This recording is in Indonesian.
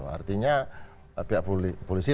artinya pihak polisi